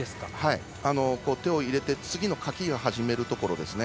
手を入れて次のかきを始めるところですね。